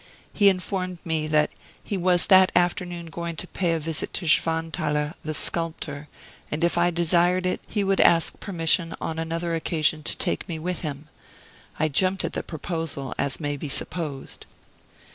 He informed me that he was that afternoon going to pay a visit to Schwanthaler, the sculptor, and if I desired it, he would ask permission on another occasion to take me with him. I jumped at the proposal, as may be supposed.